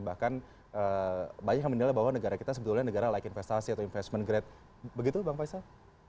bahkan banyak yang menilai bahwa negara kita sebetulnya negara like investasi atau investment grade begitu bang faisal